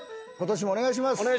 ことしもお願いします。